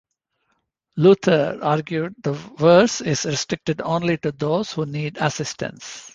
Luther argued the verse is restricted only to those who need assistance.